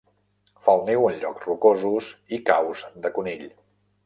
Fa el niu en llocs rocosos i caus de conill.